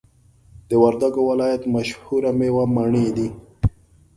د وردګو ولایت مشهوره میوه مڼی دی